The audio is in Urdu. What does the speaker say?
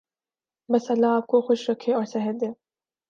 بس اللہ آپ کو خوش رکھے اور صحت دے۔